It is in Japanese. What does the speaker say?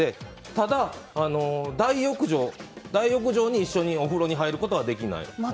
ただ、大浴場に一緒にお風呂に入ることはできない。